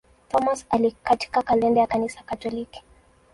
Thomas katika kalenda ya Kanisa Katoliki.